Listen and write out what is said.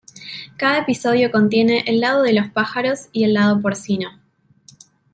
Cada episodio contiene el Lado de los pájaros y el Lado Porcino.